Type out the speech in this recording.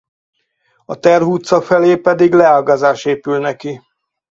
A Terv utca felé pedig leágazás épülne ki.